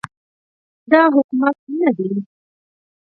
دا حکومت نه دی